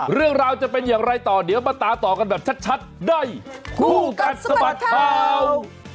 เรื่องราวจะเป็นอย่างไรต่อเดี๋ยวมาตามต่อกันแบบชัดในคู่กัดสะบัดข่าว